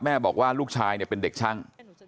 บอกว่าลูกชายเป็นเด็กช่าง